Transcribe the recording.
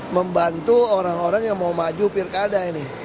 membantu orang orang yang mau maju pilkada ini